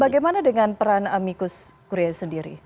bagaimana dengan peran amicus korea sendiri